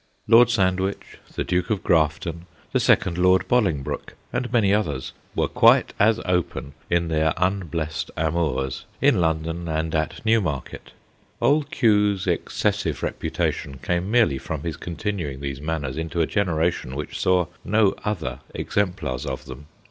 Lord Sandwich, the Duke of Grafton, the second Lord Boling broke, and many others, were quite as open in their unblessed amours in London and at 60 THE GHOSTS OF PICCADILLY Newmarket. Old Q.'s excessive reputation came merely from his continuing these manners into a generation which saw no other exemplars of them.